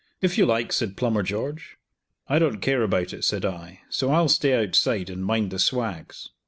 "If you like," said Plumber George. "I don't care about it," said I; "so I'll stay outside and mind the swags."